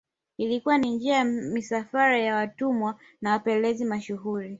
Ilikuwa ni njia ya misafara ya watumwa na wapelelezi mashuhuri